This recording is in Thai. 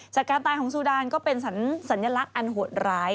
จากการตายของซูดานก็เป็นสัญลักษณ์อันโหดร้าย